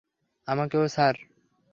আমাকেও, স্যার।